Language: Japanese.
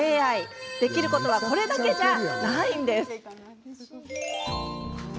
できることはこれだけじゃないんです。